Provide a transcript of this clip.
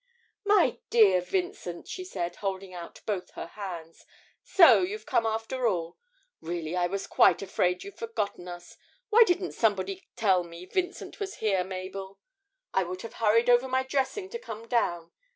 'My dear Vincent,' she said, holding out both her hands, 'so you've come after all. Really, I was quite afraid you'd forgotten us. Why didn't somebody tell me Vincent was here, Mabel? I would have hurried over my dressing to come down.